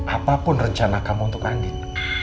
apapun rencana kamu untuk andin